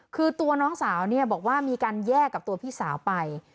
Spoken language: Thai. คือตัวน้องสาวเนี่ยบอกว่ามีการแยกกับตัวพี่สาวไป